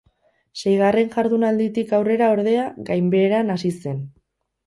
Seigarren jardunalditik aurrera, ordea, gainbeheran hasi zen.